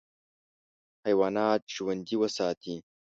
حیوانات ژوندي وساتې.